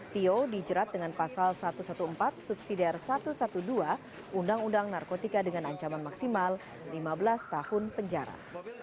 tio dijerat dengan pasal satu ratus empat belas subsidi satu ratus dua belas undang undang narkotika dengan ancaman maksimal lima belas tahun penjara